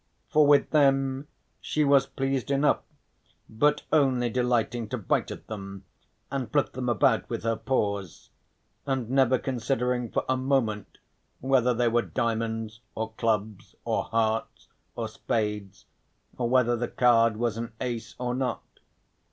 For with them she was pleased enough, but only delighting to bite at them, and flip them about with her paws, and never considering for a moment whether they were diamonds or clubs, or hearts, or spades or whether the card was an ace or not.